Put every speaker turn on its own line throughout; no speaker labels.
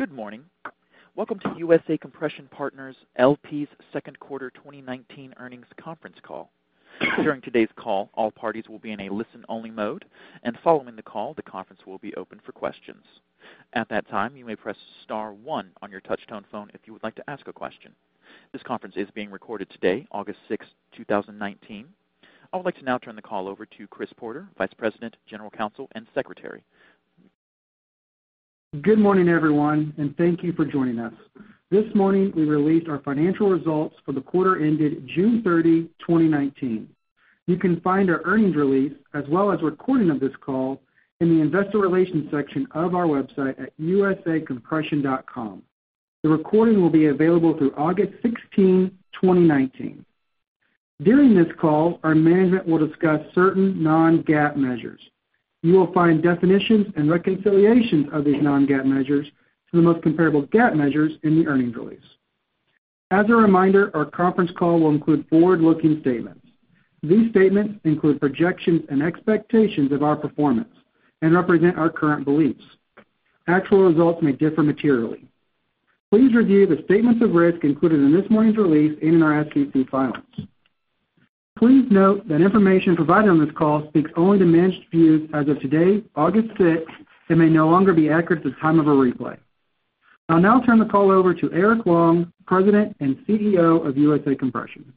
Good morning. Welcome to USA Compression Partners, LP's Second Quarter 2019 Earnings Conference Call. During today's call, all parties will be in a listen-only mode, and following the call, the conference will be open for questions. At that time, you may press star one on your touch-tone phone if you would like to ask a question. This conference is being recorded today, August 6th, 2019. I would like to now turn the call over to Chris Porter, Vice President, General Counsel, and Secretary.
Good morning, everyone, and thank you for joining us. This morning, we released our financial results for the quarter ended June 30, 2019. You can find our earnings release as well as a recording of this call in the investor relations section of our website at usacompression.com. The recording will be available through August 16, 2019. During this call, our management will discuss certain non-GAAP measures. You will find definitions and reconciliations of these non-GAAP measures to the most comparable GAAP measures in the earnings release. As a reminder, our conference call will include forward-looking statements. These statements include projections and expectations of our performance and represent our current beliefs. Actual results may differ materially. Please review the statements of risk included in this morning's release in our SEC filings. Please note that information provided on this call speaks only to management's views as of today, August 6th, and may no longer be accurate at the time of a replay. I'll now turn the call over to Eric Long, President and CEO of USA Compression.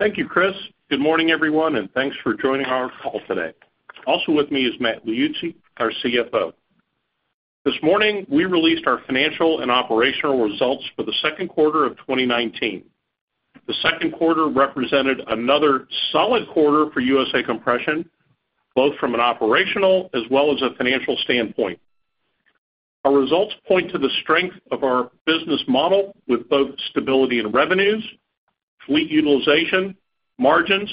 Thank you, Chris. Good morning, everyone, and thanks for joining our call today. Also with me is Matt Liuzzi, our CFO. This morning, we released our financial and operational results for the second quarter of 2019. The second quarter represented another solid quarter for USA Compression, both from an operational as well as a financial standpoint. Our results point to the strength of our business model with both stability in revenues, fleet utilization, margins,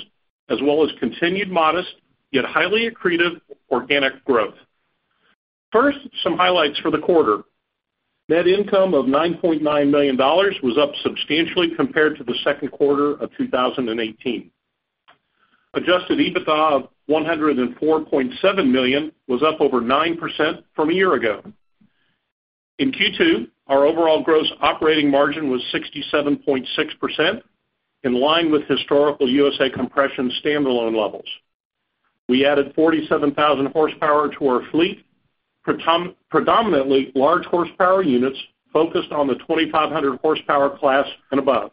as well as continued modest, yet highly accretive organic growth. First, some highlights for the quarter. Net income of $9.9 million was up substantially compared to the second quarter of 2018. Adjusted EBITDA of $104.7 million was up over 9% from a year ago. In Q2, our overall gross operating margin was 67.6%, in line with historical USA Compression standalone levels. We added 47,000 horsepower to our fleet, predominantly large horsepower units focused on the 2,500 horsepower class and above.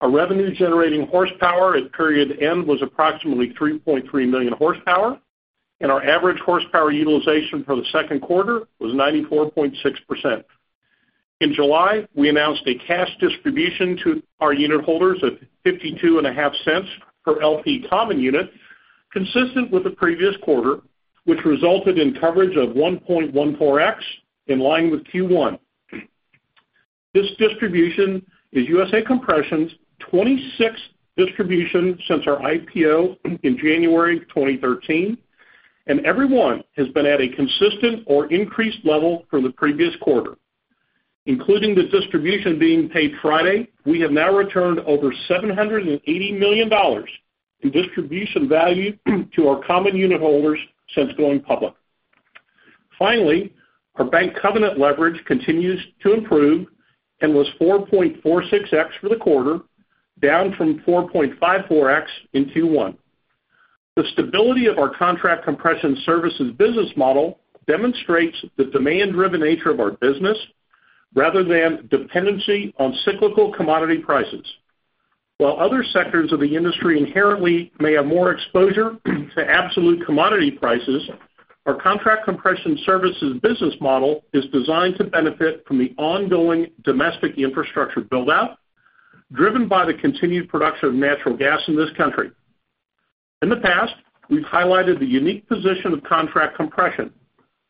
Our revenue-generating horsepower at period end was approximately 3.3 million horsepower, and our average horsepower utilization for the second quarter was 94.6%. In July, we announced a cash distribution to our unit holders of $0.525 per LP common unit, consistent with the previous quarter, which resulted in coverage of 1.14x, in line with Q1. This distribution is USA Compression's 26th distribution since our IPO in January 2013, and every one has been at a consistent or increased level from the previous quarter. Including the distribution being paid Friday, we have now returned over $780 million in distribution value to our common unit holders since going public. Finally, our bank covenant leverage continues to improve and was 4.46x for the quarter, down from 4.54x in Q1. The stability of our contract compression services business model demonstrates the demand-driven nature of our business rather than dependency on cyclical commodity prices. While other sectors of the industry inherently may have more exposure to absolute commodity prices, our contract compression services business model is designed to benefit from the ongoing domestic infrastructure build-out, driven by the continued production of natural gas in this country. In the past, we've highlighted the unique position of contract compression.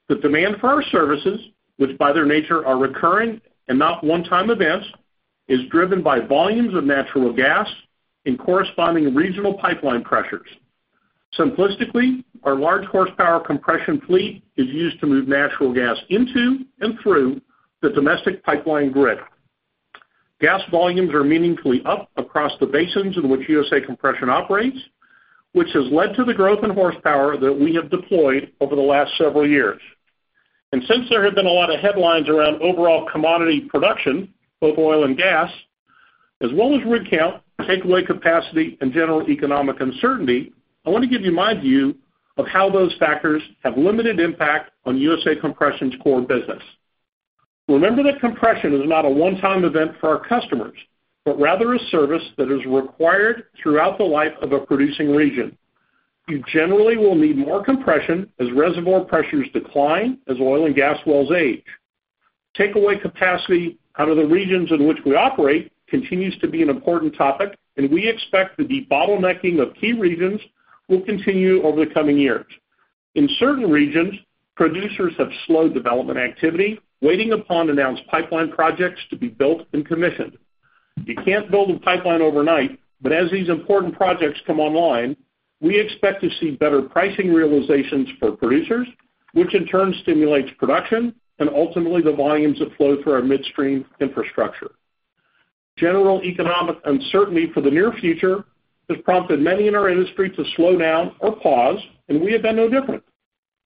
The demand for our services, which by their nature are recurring and not one-time events, is driven by volumes of natural gas and corresponding regional pipeline pressures. Simplistically, our large horsepower compression fleet is used to move natural gas into and through the domestic pipeline grid. Gas volumes are meaningfully up across the basins in which USA Compression operates, which has led to the growth in horsepower that we have deployed over the last several years. Since there have been a lot of headlines around overall commodity production, both oil and gas, as well as rig count, takeaway capacity, and general economic uncertainty, I want to give you my view of how those factors have limited impact on USA Compression's core business. Remember that compression is not a one-time event for our customers, but rather a service that is required throughout the life of a producing region. You generally will need more compression as reservoir pressures decline as oil and gas wells age. Takeaway capacity out of the regions in which we operate continues to be an important topic, and we expect that the bottlenecking of key regions will continue over the coming years. In certain regions, producers have slowed development activity, waiting upon announced pipeline projects to be built and commissioned. You can't build a pipeline overnight, but as these important projects come online, we expect to see better pricing realizations for producers, which in turn stimulates production and ultimately the volumes that flow through our midstream infrastructure. General economic uncertainty for the near future has prompted many in our industry to slow down or pause, and we have been no different.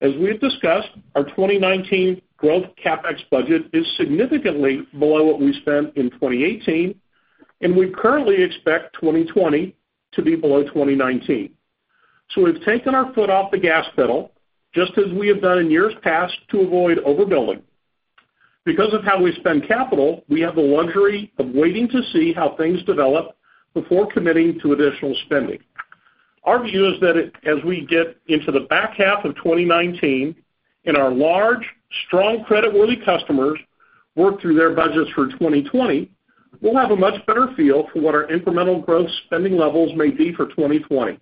As we have discussed, our 2019 growth CapEx budget is significantly below what we spent in 2018, and we currently expect 2020 to be below 2019. We've taken our foot off the gas pedal, just as we have done in years past to avoid overbuilding. Because of how we spend capital, we have the luxury of waiting to see how things develop before committing to additional spending. Our view is that as we get into the back half of 2019 and our large, strong creditworthy customers work through their budgets for 2020, we'll have a much better feel for what our incremental growth spending levels may be for 2020.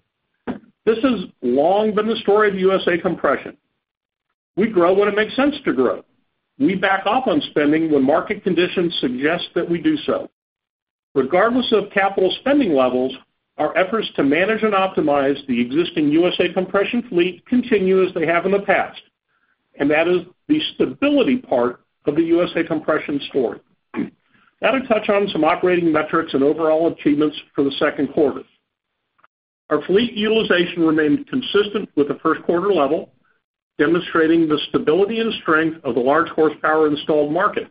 This has long been the story of USA Compression. We grow when it makes sense to grow. We back off on spending when market conditions suggest that we do so. Regardless of capital spending levels, our efforts to manage and optimize the existing USA Compression fleet continue as they have in the past, and that is the stability part of the USA Compression story. Now to touch on some operating metrics and overall achievements for the second quarter. Our fleet utilization remained consistent with the first quarter level, demonstrating the stability and strength of the large horsepower installed market.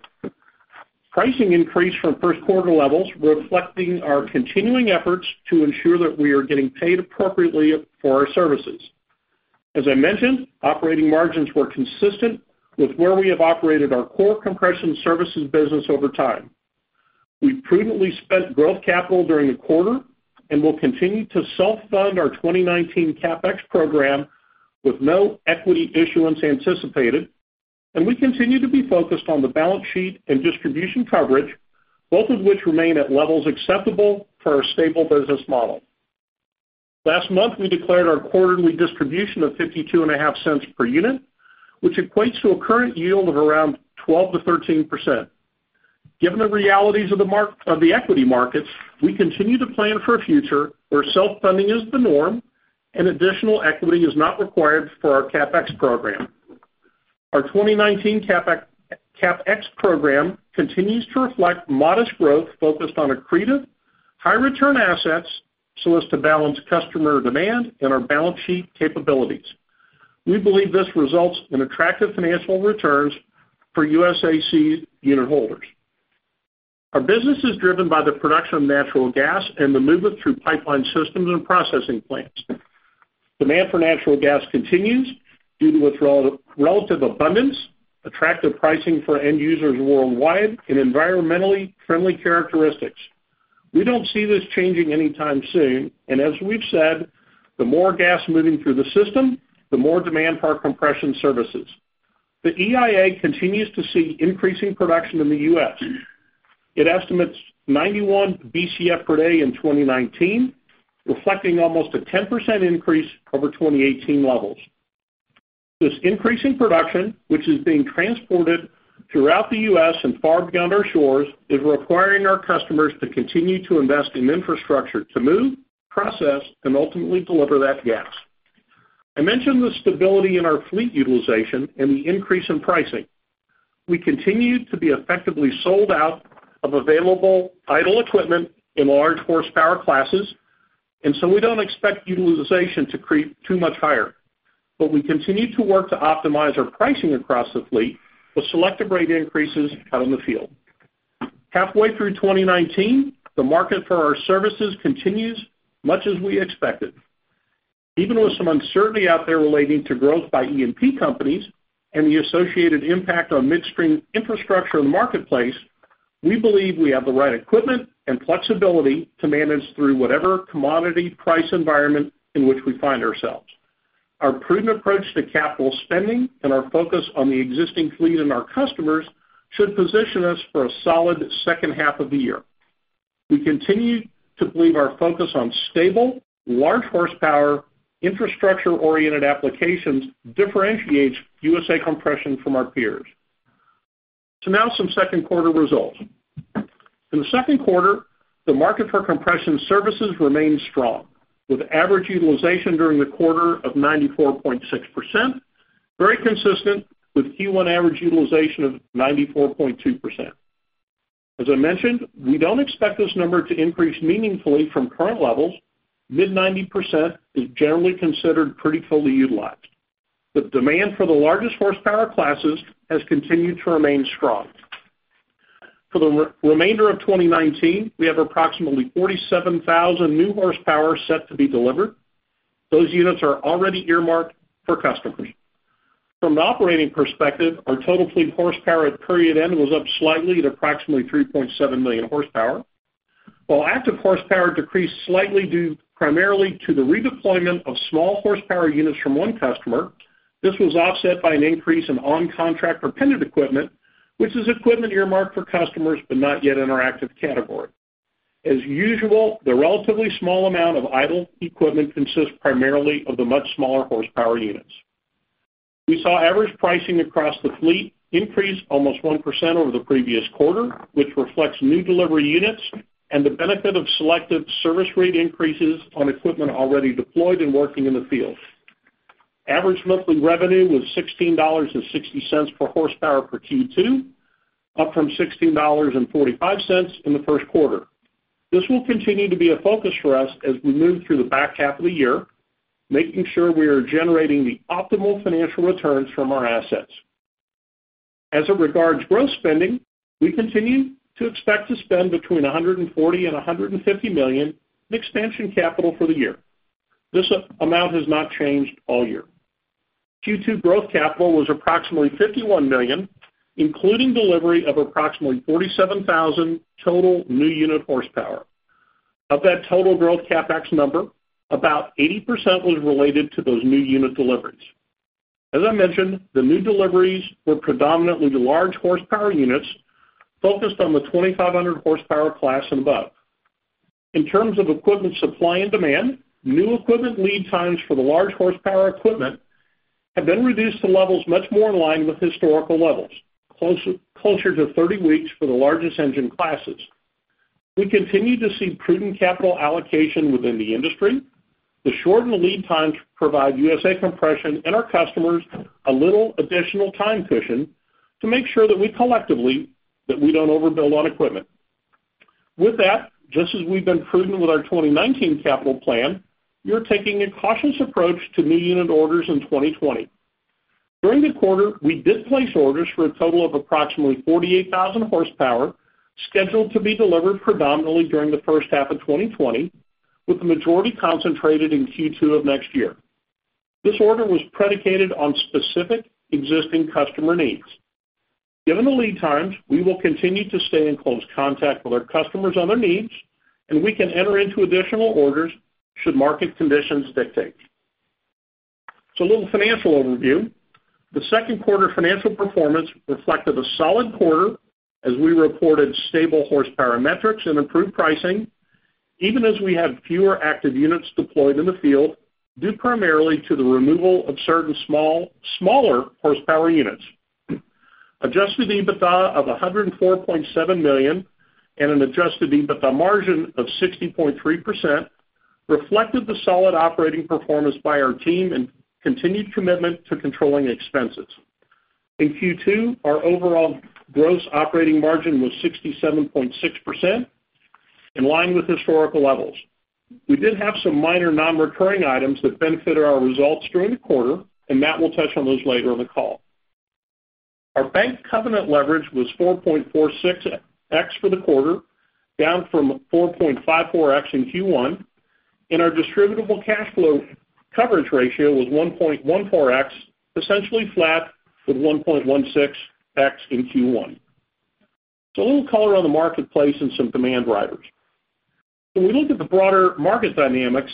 Pricing increased from first quarter levels, reflecting our continuing efforts to ensure that we are getting paid appropriately for our services. As I mentioned, operating margins were consistent with where we have operated our core compression services business over time. We prudently spent growth capital during the quarter and will continue to self-fund our 2019 CapEx program with no equity issuance anticipated. We continue to be focused on the balance sheet and distribution coverage, both of which remain at levels acceptable for our stable business model. Last month, we declared our quarterly distribution of $0.525 per unit, which equates to a current yield of around 12%-13%. Given the realities of the equity markets, we continue to plan for a future where self-funding is the norm and additional equity is not required for our CapEx program. Our 2019 CapEx program continues to reflect modest growth focused on accretive, high-return assets so as to balance customer demand and our balance sheet capabilities. We believe this results in attractive financial returns for USAC unit holders. Our business is driven by the production of natural gas and the movement through pipeline systems and processing plants. Demand for natural gas continues due to its relative abundance, attractive pricing for end users worldwide, and environmentally friendly characteristics. We don't see this changing anytime soon, and as we've said, the more gas moving through the system, the more demand for our compression services. The EIA continues to see increasing production in the U.S. It estimates 91 BCF per day in 2019, reflecting almost a 10% increase over 2018 levels. This increase in production, which is being transported throughout the U.S. and far beyond our shores, is requiring our customers to continue to invest in infrastructure to move, process, and ultimately deliver that gas. I mentioned the stability in our fleet utilization and the increase in pricing. We continue to be effectively sold out of available idle equipment in large horsepower classes, and so we don't expect utilization to creep too much higher. We continue to work to optimize our pricing across the fleet with selective rate increases out in the field. Halfway through 2019, the market for our services continues much as we expected. Even with some uncertainty out there relating to growth by E&P companies and the associated impact on midstream infrastructure in the marketplace, we believe we have the right equipment and flexibility to manage through whatever commodity price environment in which we find ourselves. Our prudent approach to capital spending and our focus on the existing fleet and our customers should position us for a solid second half of the year. We continue to believe our focus on stable, large horsepower, infrastructure-oriented applications differentiates USA Compression from our peers. Now some second quarter results. In the second quarter, the market for compression services remained strong, with average utilization during the quarter of 94.6%, very consistent with Q1 average utilization of 94.2%. As I mentioned, we don't expect this number to increase meaningfully from current levels. Mid 90% is generally considered pretty fully utilized. The demand for the largest horsepower classes has continued to remain strong. For the remainder of 2019, we have approximately 47,000 new horsepower set to be delivered. Those units are already earmarked for customers. From an operating perspective, our total fleet horsepower at period end was up slightly at approximately 3.7 million horsepower. While active horsepower decreased slightly due primarily to the redeployment of small horsepower units from one customer, this was offset by an increase in on-contract repurposed equipment, which is equipment earmarked for customers but not yet in our active category. As usual, the relatively small amount of idle equipment consists primarily of the much smaller horsepower units. We saw average pricing across the fleet increase almost 1% over the previous quarter, which reflects new delivery units and the benefit of selective service rate increases on equipment already deployed and working in the field. Average monthly revenue was $16.60 per horsepower for Q2, up from $16.45 in the first quarter. This will continue to be a focus for us as we move through the back half of the year, making sure we are generating the optimal financial returns from our assets. As it regards growth spending, we continue to expect to spend between $140 million-$150 million in expansion capital for the year. This amount has not changed all year. Q2 growth capital was approximately $51 million, including delivery of approximately 47,000 total new unit horsepower. Of that total growth CapEx number, about 80% was related to those new unit deliveries. As I mentioned, the new deliveries were predominantly the large horsepower units focused on the 2,500 horsepower class and above. In terms of equipment supply and demand, new equipment lead times for the large horsepower equipment have been reduced to levels much more in line with historical levels, closer to 30 weeks for the largest engine classes. We continue to see prudent capital allocation within the industry. The shortened lead times provide USA Compression and our customers a little additional time cushion to make sure that we collectively, that we don't overbuild on equipment. With that, just as we've been prudent with our 2019 capital plan, we are taking a cautious approach to new unit orders in 2020. During the quarter, we did place orders for a total of approximately 48,000 horsepower, scheduled to be delivered predominantly during the first half of 2020, with the majority concentrated in Q2 of next year. This order was predicated on specific existing customer needs. Given the lead times, we will continue to stay in close contact with our customers on their needs, and we can enter into additional orders should market conditions dictate. A little financial overview. The second quarter financial performance reflected a solid quarter as we reported stable horsepower metrics and improved pricing, even as we had fewer active units deployed in the field, due primarily to the removal of certain smaller horsepower units. Adjusted EBITDA of $104.7 million and an Adjusted EBITDA margin of 60.3% reflected the solid operating performance by our team and continued commitment to controlling expenses. In Q2, our overall gross operating margin was 67.6%, in line with historical levels. We did have some minor non-recurring items that benefited our results during the quarter, and Matt will touch on those later in the call. Our bank covenant leverage was 4.46x for the quarter, down from 4.54x in Q1, and our distributable cash flow coverage ratio was 1.14x, essentially flat with 1.16x in Q1. A little color on the marketplace and some demand drivers. When we look at the broader market dynamics,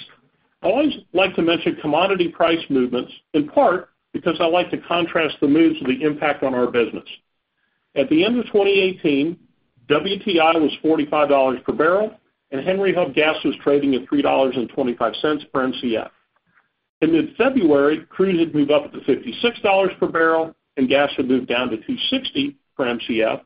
I always like to mention commodity price movements, in part because I like to contrast the moves with the impact on our business. At the end of 2018, WTI was $45 per barrel and Henry Hub gas was trading at $3.25 per Mcf. In February, crude had moved up to $56 per barrel and gas had moved down to $2.60 per Mcf.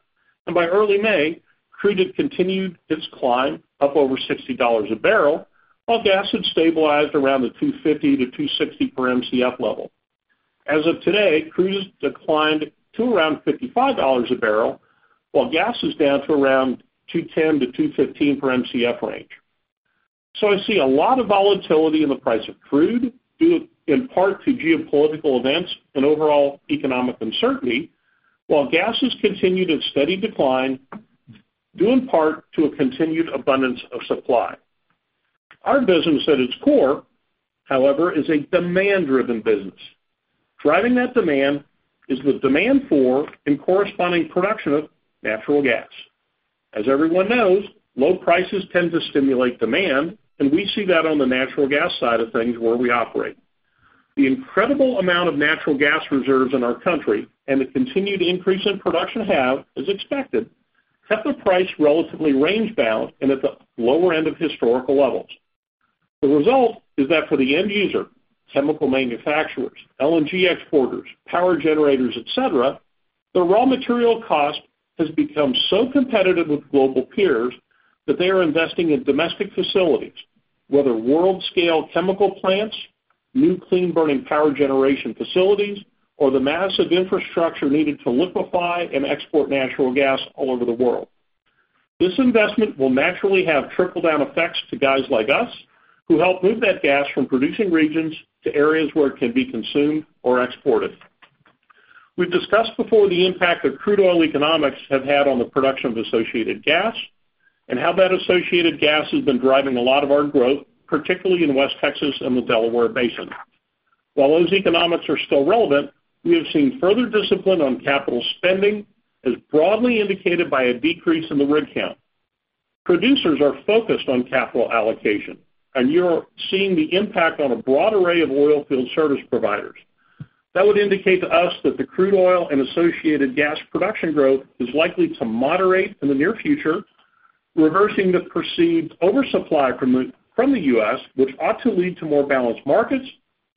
By early May, crude had continued its climb up over $60 a barrel, while gas had stabilized around the $2.50-$2.60 per Mcf level. As of today, crude has declined to around $55 a barrel, while gas is down to around $2.10-$2.15 per Mcf range. I see a lot of volatility in the price of crude, due in part to geopolitical events and overall economic uncertainty, while gas has continued its steady decline, due in part to a continued abundance of supply. Our business at its core, however, is a demand-driven business. Driving that demand is the demand for and corresponding production of natural gas. As everyone knows, low prices tend to stimulate demand, and we see that on the natural gas side of things where we operate. The incredible amount of natural gas reserves in our country and the continued increase in production have, as expected, kept the price relatively range-bound and at the lower end of historical levels. The result is that for the end user, chemical manufacturers, LNG exporters, power generators, et cetera, the raw material cost has become so competitive with global peers that they are investing in domestic facilities, whether world-scale chemical plants, new clean-burning power generation facilities, or the massive infrastructure needed to liquefy and export natural gas all over the world. This investment will naturally have trickle-down effects to guys like us, who help move that gas from producing regions to areas where it can be consumed or exported. We've discussed before the impact that crude oil economics have had on the production of associated gas, and how that associated gas has been driving a lot of our growth, particularly in West Texas and the Delaware Basin. While those economics are still relevant, we have seen further discipline on capital spending, as broadly indicated by a decrease in the rig count. Producers are focused on capital allocation, and you're seeing the impact on a broad array of oilfield service providers. That would indicate to us that the crude oil and associated gas production growth is likely to moderate in the near future, reversing the perceived oversupply from the U.S., which ought to lead to more balanced markets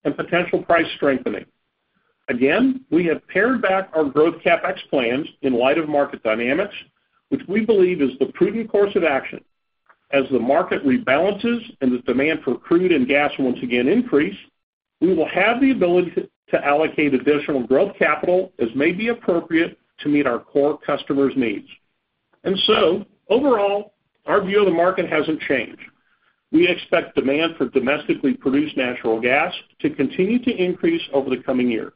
and potential price strengthening. Again, we have pared back our growth CapEx plans in light of market dynamics, which we believe is the prudent course of action. As the market rebalances and the demand for crude and gas once again increase, we will have the ability to allocate additional growth capital as may be appropriate to meet our core customers' needs. Overall, our view of the market hasn't changed. We expect demand for domestically produced natural gas to continue to increase over the coming years.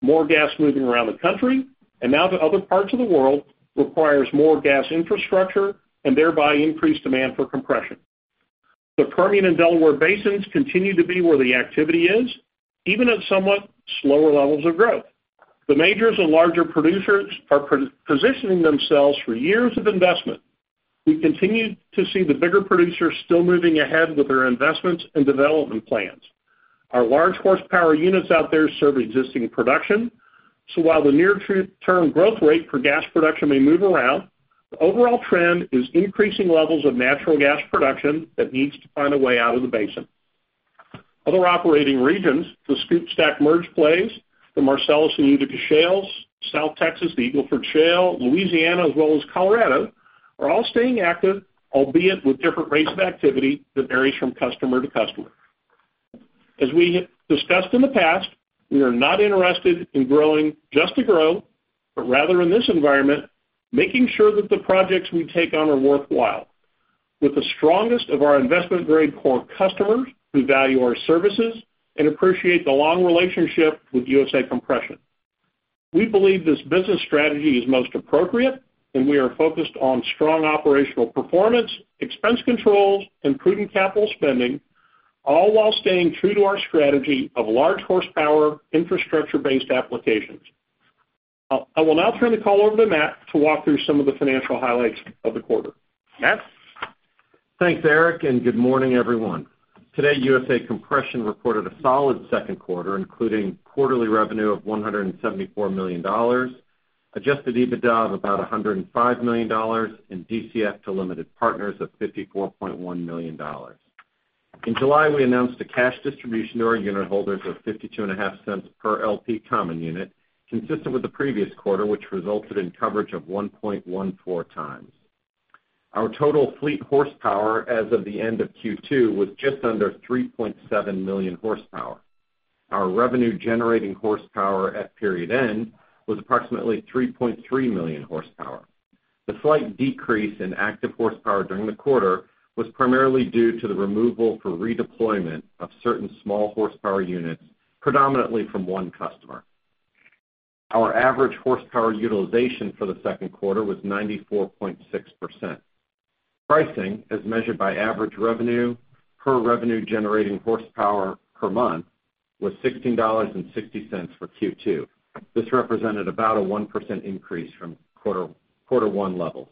More gas moving around the country, and now to other parts of the world, requires more gas infrastructure and thereby increased demand for compression. The Permian and Delaware Basins continue to be where the activity is, even at somewhat slower levels of growth. The majors and larger producers are positioning themselves for years of investment. We continue to see the bigger producers still moving ahead with their investments and development plans. Our large horsepower units out there serve existing production. While the near-term growth rate for gas production may move around, the overall trend is increasing levels of natural gas production that needs to find a way out of the basin. Other operating regions, the SCOOP/STACK Merge plays, the Marcellus and Utica Shales, South Texas, the Eagle Ford Shale, Louisiana, as well as Colorado, are all staying active, albeit with different rates of activity that varies from customer to customer. As we discussed in the past, we are not interested in growing just to grow, but rather in this environment, making sure that the projects we take on are worthwhile. With the strongest of our investment-grade core customers who value our services and appreciate the long relationship with USA Compression. We believe this business strategy is most appropriate, and we are focused on strong operational performance, expense controls, and prudent CapEx, all while staying true to our strategy of large horsepower infrastructure-based applications. I will now turn the call over to Matt to walk through some of the financial highlights of the quarter. Matt?
Thanks, Eric, and good morning, everyone. Today, USA Compression reported a solid second quarter, including quarterly revenue of $174 million, Adjusted EBITDA of about $105 million, and DCF to limited partners of $54.1 million. In July, we announced a cash distribution to our unit holders of $0.525 per LP common unit, consistent with the previous quarter, which resulted in coverage of 1.14x. Our total fleet horsepower as of the end of Q2 was just under 3.7 million horsepower. Our revenue-generating horsepower at period end was approximately 3.3 million horsepower. The slight decrease in active horsepower during the quarter was primarily due to the removal for redeployment of certain small horsepower units, predominantly from one customer. Our average horsepower utilization for the second quarter was 94.6%. Pricing, as measured by average revenue per revenue-generating horsepower per month, was $16.60 for Q2. This represented about a 1% increase from quarter one levels.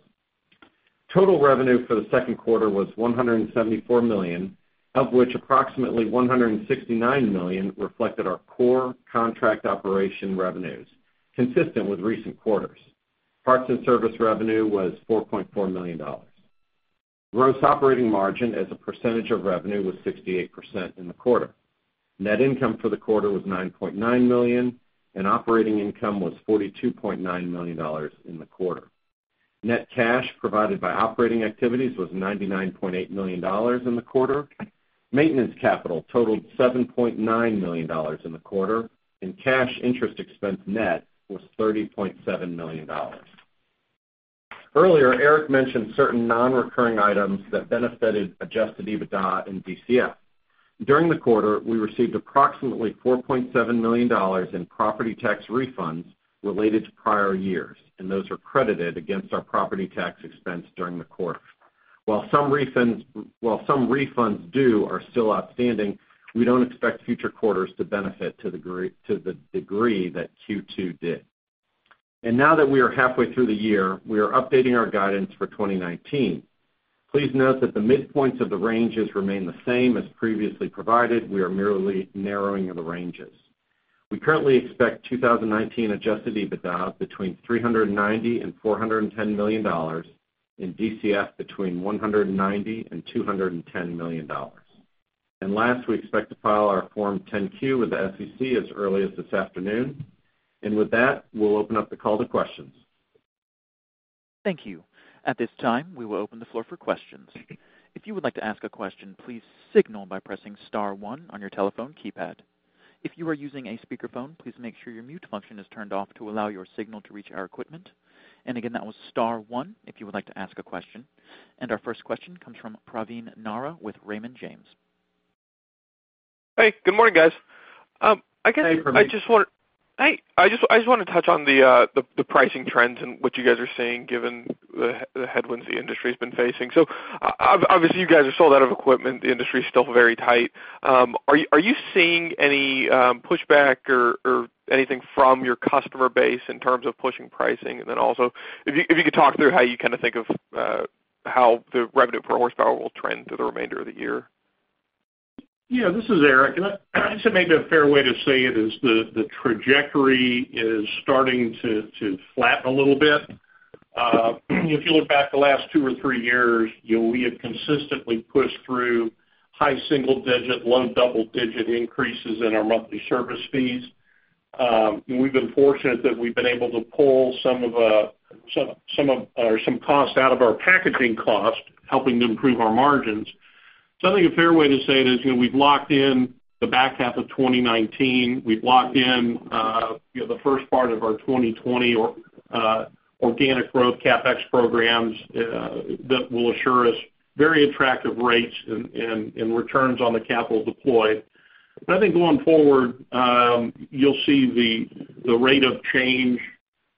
Total revenue for the second quarter was $174 million, of which approximately $169 million reflected our core contract operation revenues, consistent with recent quarters. Parts and service revenue was $4.4 million. Gross operating margin as a percentage of revenue was 68% in the quarter. Net income for the quarter was $9.9 million, and operating income was $42.9 million in the quarter. Net cash provided by operating activities was $99.8 million in the quarter. Maintenance capital totaled $7.9 million in the quarter, and cash interest expense net was $30.7 million. Earlier, Eric mentioned certain non-recurring items that benefited Adjusted EBITDA and DCF. During the quarter, we received approximately $4.7 million in property tax refunds related to prior years, and those were credited against our property tax expense during the quarter. While some refunds due are still outstanding, we don't expect future quarters to benefit to the degree that Q2 did. Now that we are halfway through the year, we are updating our guidance for 2019. Please note that the midpoints of the ranges remain the same as previously provided. We are merely narrowing the ranges. We currently expect 2019 Adjusted EBITDA between $390 million and $410 million, and DCF between $190 million and $210 million. Last, we expect to file our Form 10-Q with the SEC as early as this afternoon. With that, we'll open up the call to questions.
Thank you. At this time, we will open the floor for questions. If you would like to ask a question, please signal by pressing star one on your telephone keypad. If you are using a speakerphone, please make sure your mute function is turned off to allow your signal to reach our equipment. Again, that was star one if you would like to ask a question. Our first question comes from Praveen Narra with Raymond James.
Hey, good morning, guys.
Hey, Praveen.
Hey. I just want to touch on the pricing trends and what you guys are seeing given the headwinds the industry's been facing. Obviously, you guys are sold out of equipment. The industry is still very tight. Are you seeing any pushback or anything from your customer base in terms of pushing pricing? Also, if you could talk through how you think of how the revenue per horsepower will trend through the remainder of the year.
Yeah, this is Eric. I guess maybe a fair way to say it is the trajectory is starting to flatten a little bit. If you look back the last two or three years, we have consistently pushed through high single-digit, low double-digit increases in our monthly service fees. We've been fortunate that we've been able to pull some costs out of our packaging cost, helping to improve our margins. I think a fair way to say it is, we've locked in the back half of 2019. We've locked in the first part of our 2020 organic growth CapEx programs that will assure us very attractive rates and returns on the capital deployed. I think going forward, you'll see the rate of change,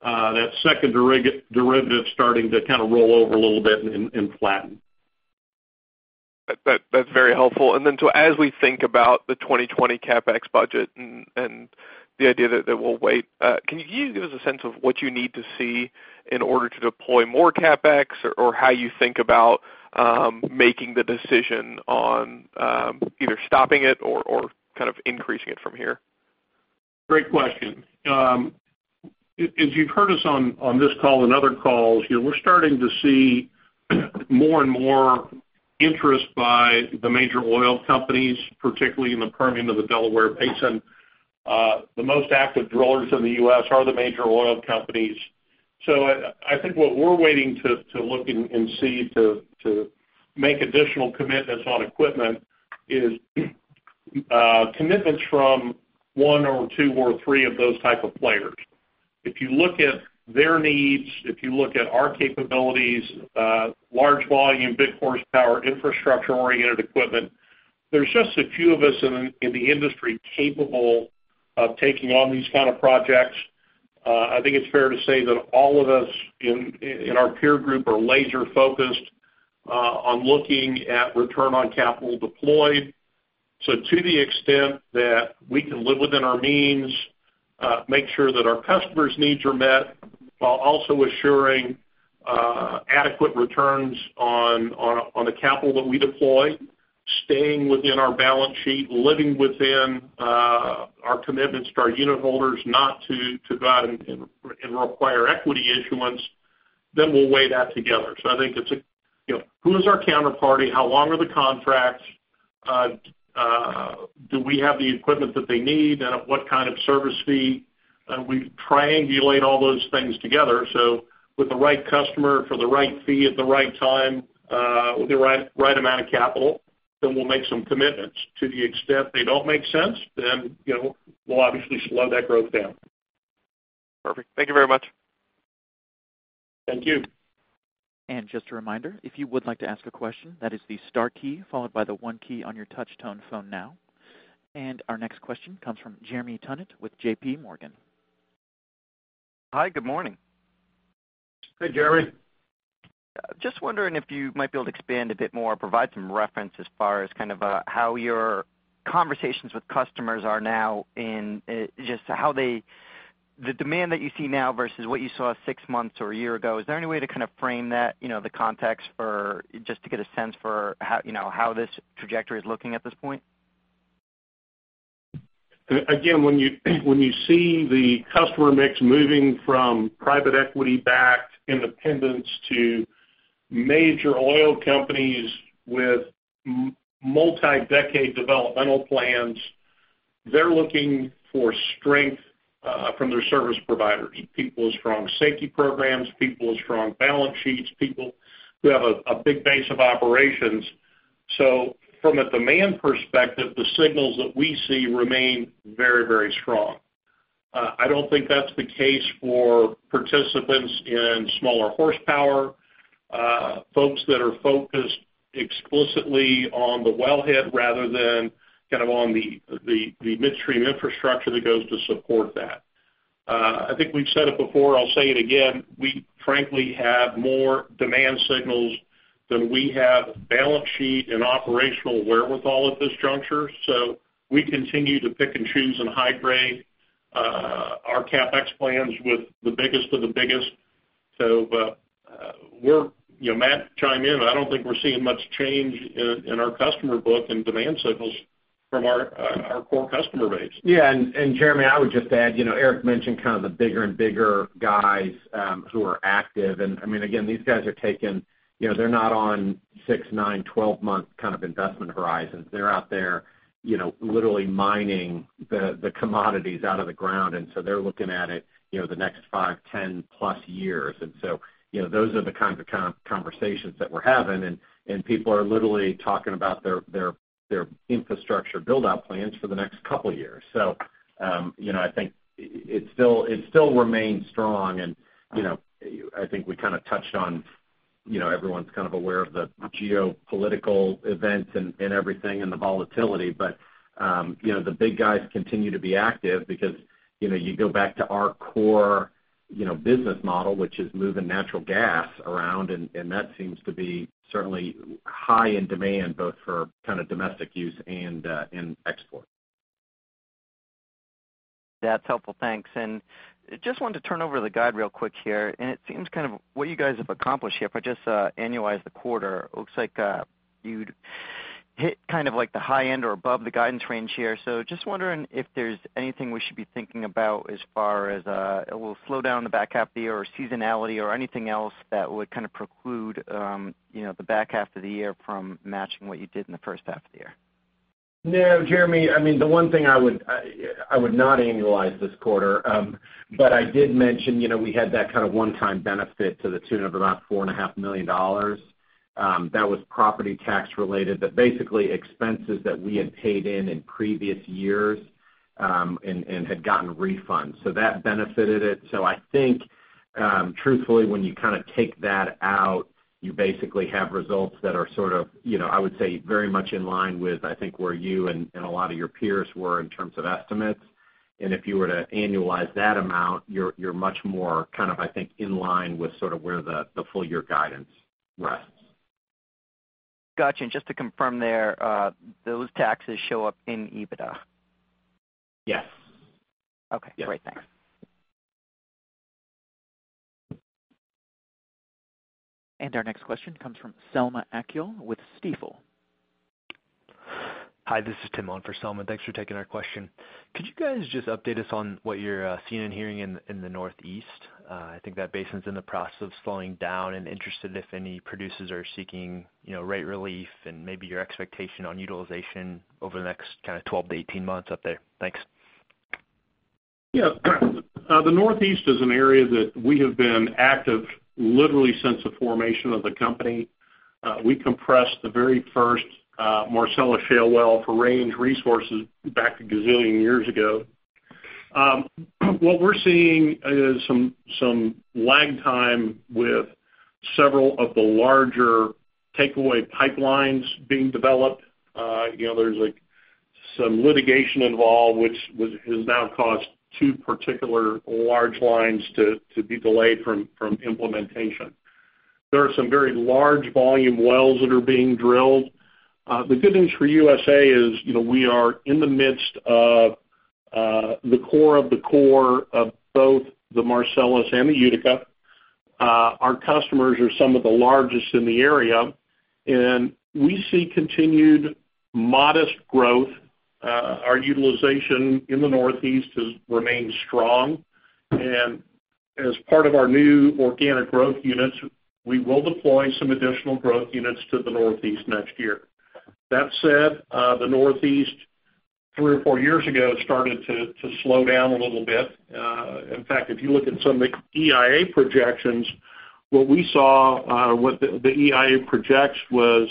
that second derivative starting to kind of roll over a little bit and flatten.
That's very helpful. As we think about the 2020 CapEx budget and the idea that we'll wait, can you give us a sense of what you need to see in order to deploy more CapEx? How you think about making the decision on either stopping it or kind of increasing it from here?
Great question. As you've heard us on this call and other calls, we're starting to see more and more interest by the major oil companies, particularly in the Permian and the Delaware Basin. The most active drillers in the U.S. are the major oil companies. I think what we're waiting to look and see to make additional commitments on equipment is commitments from one or two or three of those type of players. If you look at their needs, if you look at our capabilities, large volume, big horsepower, infrastructure-oriented equipment, there's just a few of us in the industry capable of taking on these kind of projects. I think it's fair to say that all of us in our peer group are laser-focused on looking at return on capital deployed. To the extent that we can live within our means, make sure that our customers' needs are met, while also assuring adequate returns on the capital that we deploy, staying within our balance sheet, living within our commitments to our unit holders not to go out and require equity issuance, then we'll weigh that together. I think it's who is our counterparty? How long are the contracts? Do we have the equipment that they need? And at what kind of service fee? We triangulate all those things together. With the right customer for the right fee at the right time, with the right amount of capital, then we'll make some commitments. To the extent they don't make sense, then we'll obviously slow that growth down.
Perfect. Thank you very much.
Thank you.
Just a reminder, if you would like to ask a question, that is the star key followed by the one key on your touch tone phone now. Our next question comes from Jeremy Tonet with JPMorgan.
Hi, good morning.
Hey, Jeremy.
Just wondering if you might be able to expand a bit more, provide some reference as far as kind of how your conversations with customers are now and just the demand that you see now versus what you saw six months or a year ago? Is there any way to kind of frame that, the context for just to get a sense for how this trajectory is looking at this point?
When you see the customer mix moving from private equity-backed independence to major oil companies with multi-decade developmental plans, they're looking for strength from their service provider. People with strong safety programs, people with strong balance sheets, people who have a big base of operations. From a demand perspective, the signals that we see remain very strong. I don't think that's the case for participants in smaller horsepower, folks that are focused explicitly on the wellhead rather than kind of on the midstream infrastructure that goes to support that. I think we've said it before, I'll say it again, we frankly have more demand signals than we have balance sheet and operational wherewithal at this juncture. We continue to pick and choose and high grade our CapEx plans with the biggest of the biggest. Matt, chime in, but I don't think we're seeing much change in our customer book and demand signals from our core customer base.
Yeah, Jeremy, I would just add, Eric mentioned kind of the bigger and bigger guys who are active. Again, these guys are taken. They're not on six, nine, 12-month kind of investment horizons. They're out there literally mining the commodities out of the ground. They're looking at it the next five, 10+ years. Those are the kinds of conversations that we're having. People are literally talking about their infrastructure build-out plans for the next couple of years. I think it still remains strong, and I think we kind of touched on everyone's kind of aware of the geopolitical events and everything and the volatility. The big guys continue to be active because you go back to our core business model, which is moving natural gas around, and that seems to be certainly high in demand, both for kind of domestic use and export.
That's helpful. Thanks. Just wanted to turn over to the guide real quick here, and it seems kind of what you guys have accomplished here, if I just annualize the quarter, it looks like you'd hit kind of like the high end or above the guidance range here. Just wondering if there's anything we should be thinking about as far as a little slowdown in the back half of the year or seasonality or anything else that would kind of preclude the back half of the year from matching what you did in the first half of the year.
Jeremy, the one thing I would not annualize this quarter, I did mention we had that kind of one-time benefit to the tune of about $4.5 million. That was property tax-related. Basically, expenses that we had paid in in previous years, and had gotten refunds. That benefited it. I think, truthfully, when you kind of take that out, you basically have results that are sort of, I would say very much in line with, I think where you and a lot of your peers were in terms of estimates. If you were to annualize that amount, you're much more kind of, I think, in line with sort of where the full year guidance rests.
Got you. Just to confirm there, those taxes show up in EBITDA?
Yes.
Okay.
Yes.
Great. Thanks.
Our next question comes from Selman Akyol with Stifel.
Hi, this is Tim on for Selman. Thanks for taking our question. Could you guys just update us on what you're seeing and hearing in the Northeast? I think that basin's in the process of slowing down and interested if any producers are seeking rate relief and maybe your expectation on utilization over the next kind of 12-18 months up there. Thanks.
Yeah. The Northeast is an area that we have been active literally since the formation of the company. We compressed the very first Marcellus Shale well for Range Resources back a gazillion years ago. What we're seeing is some lag time with several of the larger takeaway pipelines being developed. There's some litigation involved, which has now caused two particular large lines to be delayed from implementation. There are some very large volume wells that are being drilled. The good news for USA is we are in the midst of the core of the core of both the Marcellus and the Utica. Our customers are some of the largest in the area, and we see continued modest growth. Our utilization in the Northeast has remained strong. As part of our new organic growth units, we will deploy some additional growth units to the Northeast next year. The Northeast three or four years ago started to slow down a little bit. If you look at some of the EIA projections, what we saw, what the EIA projects was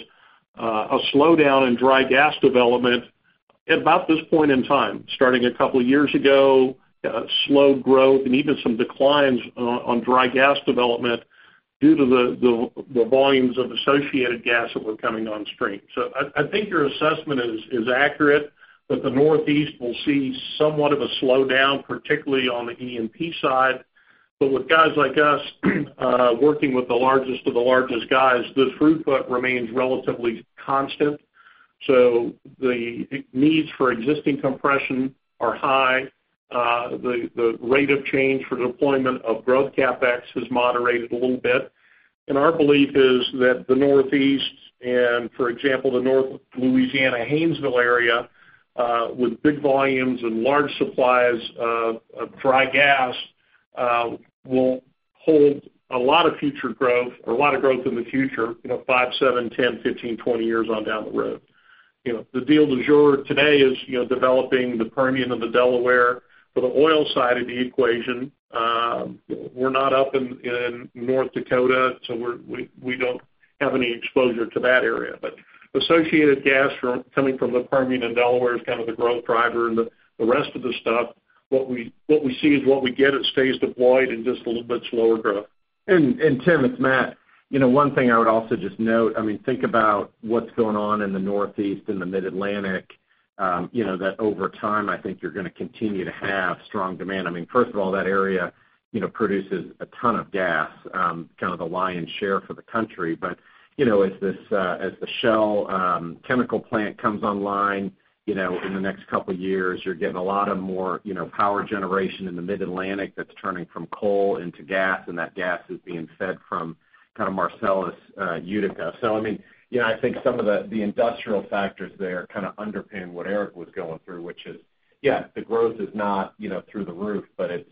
a slowdown in dry gas development at about this point in time, starting a couple of years ago, slow growth and even some declines on dry gas development due to the volumes of associated gas that were coming on stream. I think your assessment is accurate, that the Northeast will see somewhat of a slowdown, particularly on the E&P side. With guys like us working with the largest of the largest guys, the throughput remains relatively constant. The needs for existing compression are high. The rate of change for deployment of growth CapEx has moderated a little bit. Our belief is that the Northeast and, for example, the North Louisiana Haynesville area, with big volumes and large supplies of dry gas, will hold a lot of future growth or a lot of growth in the future, five, seven, 10, 15, 20 years on down the road. The deal du jour today is developing the Permian of the Delaware for the oil side of the equation. We're not up in North Dakota, so we don't have any exposure to that area. Associated gas coming from the Permian and Delaware is kind of the growth driver and the rest of the stuff, what we see is what we get. It stays deployed and just a little bit slower growth.
Tim, it's Matt. One thing I would also just note, think about what's going on in the Northeast and the Mid-Atlantic. Over time, I think you're going to continue to have strong demand. First of all, that area produces a ton of gas, kind of the lion's share for the country. As the Shell chemical plant comes online in the next couple of years, you're getting a lot of more power generation in the Mid-Atlantic that's turning from coal into gas, and that gas is being fed from Marcellus Utica. I think some of the industrial factors there kind of underpin what Eric was going through, which is, yeah, the growth is not through the roof, but it's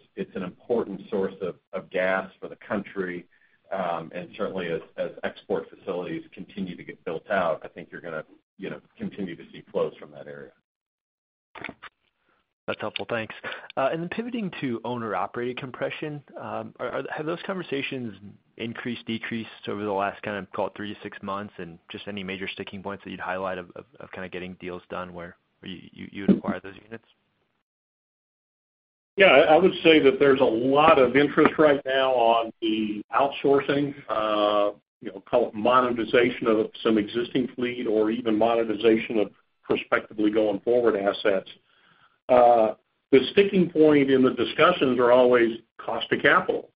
an important source of gas for the country. Certainly as export facilities continue to get built out, I think you're going to continue to see flows from that area.
That's helpful. Thanks. Then pivoting to owner-operated compression. Have those conversations increased, decreased over the last kind of, call it three to six months? Just any major sticking points that you'd highlight of kind of getting deals done where you'd acquire those units?
Yeah, I would say that there's a lot of interest right now on the outsourcing, call it monetization of some existing fleet or even monetization of prospectively going forward assets. The sticking point in the discussions are always cost to capital.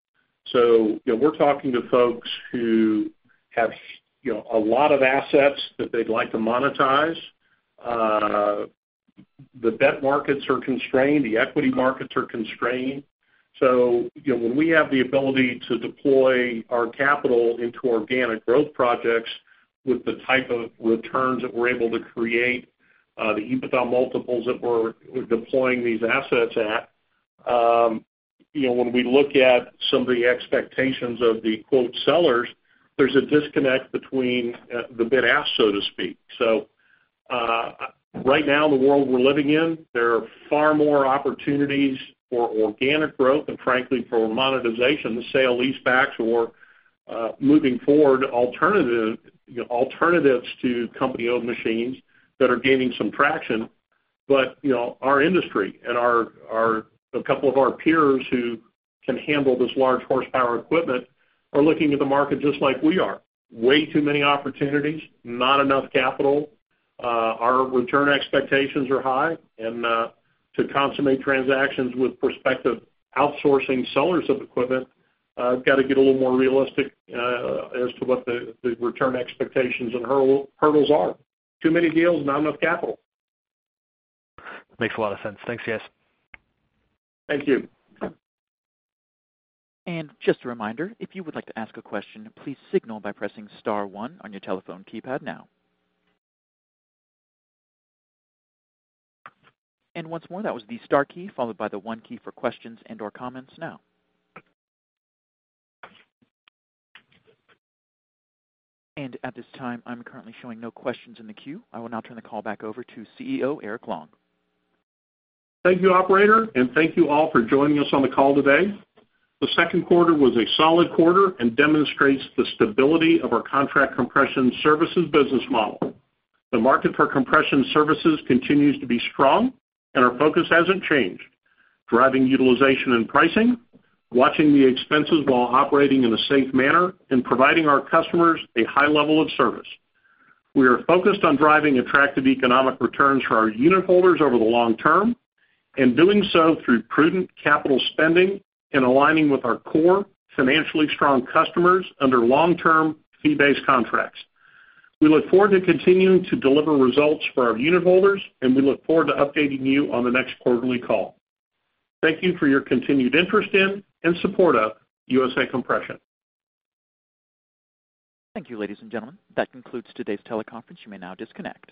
We're talking to folks who have a lot of assets that they'd like to monetize. The debt markets are constrained, the equity markets are constrained. When we have the ability to deploy our capital into organic growth projects with the type of returns that we're able to create, the EBITDA multiples that we're deploying these assets at. When we look at some of the expectations of the quote sellers, there's a disconnect between the bid-ask, so to speak. Right now, the world we're living in, there are far more opportunities for organic growth and frankly for monetization, the sale-leasebacks or moving forward alternatives to company-owned machines that are gaining some traction. Our industry and a couple of our peers who can handle this large horsepower equipment are looking at the market just like we are. Way too many opportunities, not enough capital. Our return expectations are high and to consummate transactions with prospective outsourcing sellers of equipment, got to get a little more realistic as to what the return expectations and hurdles are. Too many deals, not enough capital.
Makes a lot of sense. Thanks, guys.
Thank you.
Just a reminder, if you would like to ask a question, please signal by pressing star one on your telephone keypad now. Once more, that was the star key followed by the one key for questions and/or comments now. At this time, I'm currently showing no questions in the queue. I will now turn the call back over to CEO Eric Long.
Thank you, operator, thank you all for joining us on the call today. The second quarter was a solid quarter and demonstrates the stability of our contract compression services business model. The market for compression services continues to be strong, and our focus hasn't changed. Driving utilization and pricing, watching the expenses while operating in a safe manner, and providing our customers a high level of service. We are focused on driving attractive economic returns for our unitholders over the long term and doing so through prudent capital spending and aligning with our core financially strong customers under long-term fee-based contracts. We look forward to continuing to deliver results for our unitholders, and we look forward to updating you on the next quarterly call. Thank you for your continued interest in and support of USA Compression.
Thank you, ladies and gentlemen. That concludes today's teleconference. You may now disconnect.